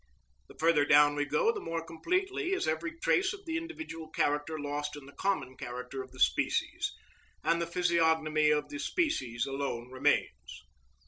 The farther down we go, the more completely is every trace of the individual character lost in the common character of the species, and the physiognomy of the species alone remains.